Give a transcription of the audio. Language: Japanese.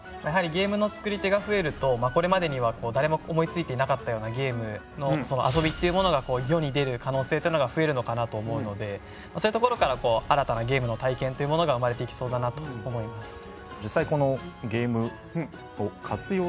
やはりゲームの作り手が増えるとこれまでにはだれも思いついていなかったようなゲームの遊びっていうものが世に出る可能性っていうのが増えるのかなと思うのでそういうところから新たなゲームの体験っていうものが生まれていきそうだなと思います。